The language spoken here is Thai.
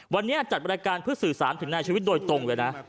วันนี้จัดบริการเพื่อสื่อสารถึงนายชีวิตโดยตรงเลยนะ